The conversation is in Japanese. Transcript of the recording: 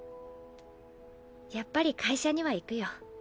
やっぱり会社には行くよ。